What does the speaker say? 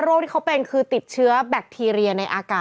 ป่วยจากการติดเชื้อจากขี้นก